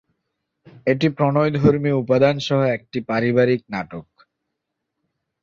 এটি প্রণয়ধর্মী উপাদান সহ একটি পারিবারিক নাটক।